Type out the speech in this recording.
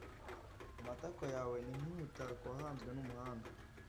amatako yawe ni nk'umutako wahanzwe n'umuhanga